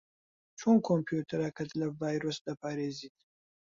چۆن کۆمپیوتەرەکەت لە ڤایرۆس دەپارێزیت؟